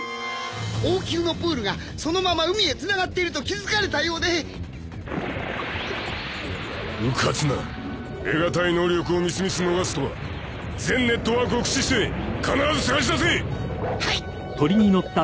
王宮のプールがそのまま海へ繋がっていると気付かれたようでうかつな得がたい能力をみすみす逃すとは全ネットワークを駆使して必ず捜し出せはい！